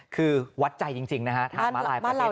คือวัดใจจริงนะฮะถามมารายประเทศไทย